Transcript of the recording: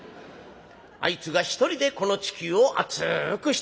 あいつが１人でこの地球を暑くしとるんだ」。